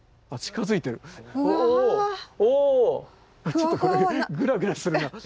ちょっとこれグラグラする。